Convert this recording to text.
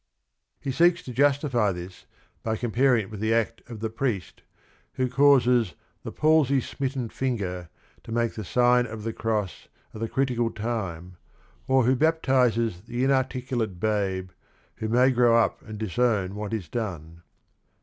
—" He seeks to justify this by comparing it with the act of the priest who causes "the palsy smitten finger" to make the sign of the cross "at the critical time" or who baptizes "the inarticulate babe" who may grow up and disown what is done.